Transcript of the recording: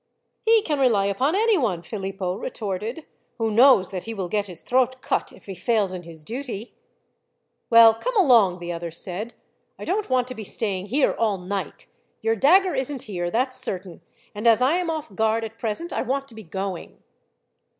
"He can rely upon anyone," Philippo retorted, "who knows that he will get his throat cut if he fails in his duty." "Well, come along," the other said, "I don't want to be staying here all night. Your dagger isn't here, that's certain, and as I am off guard at present, I want to be going."